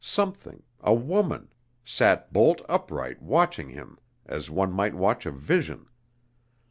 Something a woman sat bolt upright watching him as one might watch a vision.